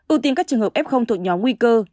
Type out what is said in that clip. ưu tiên các trường hợp f thuộc nhóm nguy cơ